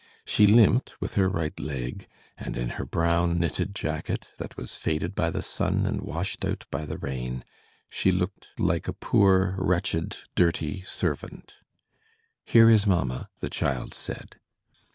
She limped with her right leg, and in her brown knitted jacket, that was faded by the sun and washed out by the rain, she looked like a poor, wretched, dirty servant. "Here is mamma." the child said.